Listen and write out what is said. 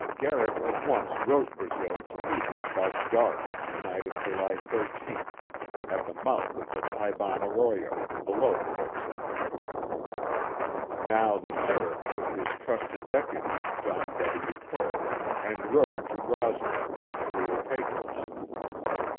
Garrett at once wrote Brazil to meet him about dark on the night of July 13th at the mouth of the Taiban arroyo, below Fort Sumner. Now the sheriff took his trusted deputy, John W. Poe, and rode to Roswell, on the Rio Pecos.